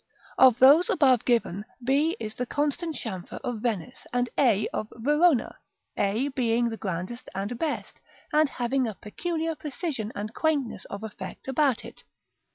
§ XI. Of those above given, b is the constant chamfer of Venice, and a of Verona: a being the grandest and best, and having a peculiar precision and quaintness of effect about it.